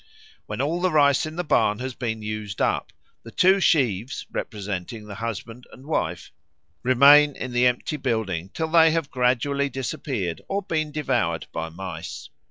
When all the rice in the barn has been used up, the two sheaves representing the husband and wife remain in the empty building till they have gradually disappeared or been devoured by mice.